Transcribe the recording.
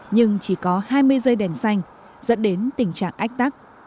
nhưng chỉ có hai mươi dây đèn xanh dẫn đến tình trạng ách tắc